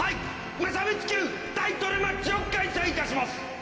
無差別級タイトルマッチを開催いたします。